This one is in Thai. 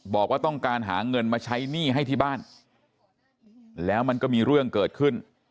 บอกว่าต้องการหาเงินมาใช้หนี้ให้ที่บ้านแล้วมันก็มีเรื่องเกิดขึ้น